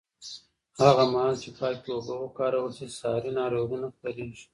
هغه مهال چې پاکې اوبه وکارول شي، ساري ناروغۍ نه خپرېږي.